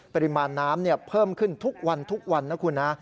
ปริมาณน้ำเพิ่มขึ้นทุกวันทุกวันนะคุณนะ